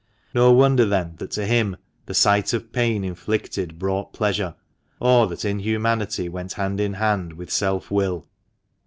No wonder, then, that to him the sight of pain inflicted brought pleasure, or that inhumanity went hand in hand with self will.